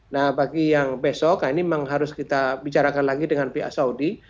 nah bagi yang besok ini memang harus kita bicarakan lagi dengan pihak saudi